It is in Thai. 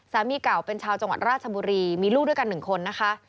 สามีเก่าเป็นชาวจังหวัดราชบุรีมีลูกด้วยกัน๑คนนะคะ